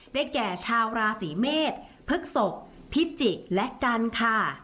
แก่ชาวราศีเมษพฤกษกพิจิกและกันค่ะ